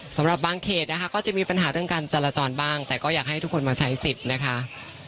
สำหรับบางเขตนะคะก็จะมีปัญหาเรื่องการจราจรบ้างแต่ก็อยากให้ทุกคนมาใช้สิทธิ์นะคะ